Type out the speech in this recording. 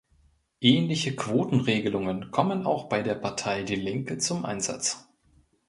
Ähnliche Quotenregelungen kommen auch bei der Partei Die Linke zum Einsatz.